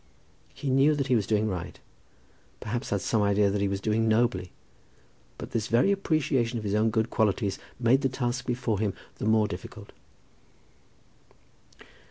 He knew that he was doing right; perhaps had some idea that he was doing nobly; but this very appreciation of his own good qualities made the task before him the more difficult.